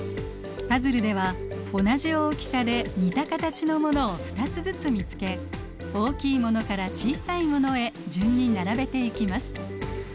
パズルでは同じ大きさで似た形のものを２つずつ見つけ大きいものから小さいものへ順に並べていきます。